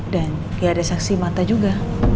dan gak ada saksi mata juga